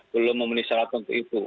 belum memenuhi syarat untuk itu